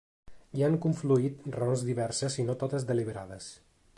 Hi han confluït raons diverses i no totes deliberades.